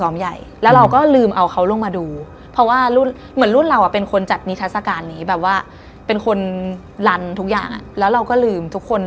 ไม่จำเป็นต้องเป็นกลางคืน